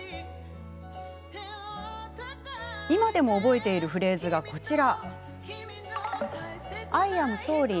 今でも覚えているフレーズがこちら。